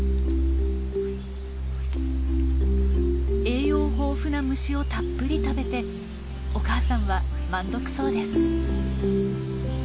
栄養豊富な虫をたっぷり食べてお母さんは満足そうです。